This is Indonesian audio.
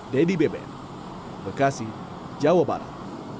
dedy beben bekasi jawa barat